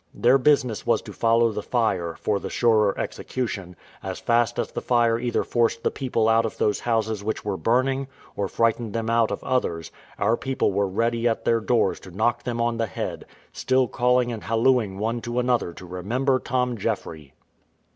Their business was to follow the fire, for the surer execution: as fast as the fire either forced the people out of those houses which were burning, or frightened them out of others, our people were ready at their doors to knock them on the head, still calling and hallooing one to another to remember Tom Jeffry.